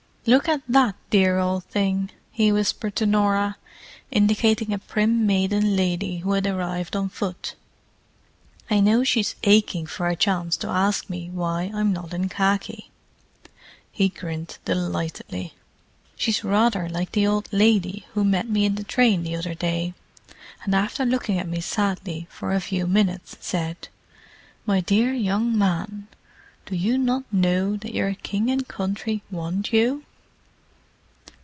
"Look at that dear old thing!" he whispered to Norah, indicating a prim maiden lady who had arrived on foot. "I know she's aching for a chance to ask me why I'm not in khaki!" He grinned delightedly. "She's rather like the old lady who met me in the train the other day, and after looking at me sadly for a few minutes said, 'My dear young man, do you not know that your King and Country want you?